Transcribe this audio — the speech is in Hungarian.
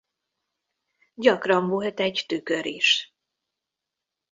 Gyakran volt egy tükör is.